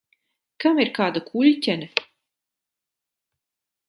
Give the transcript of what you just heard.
Kam ir kāda kuļķene?